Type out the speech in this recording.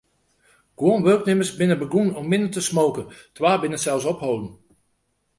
Guon wurknimmers binne begûn om minder te smoken, twa binne sels opholden.